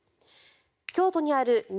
京都にある都